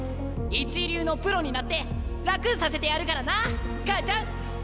一流のプロになって楽させてやるからな母ちゃん！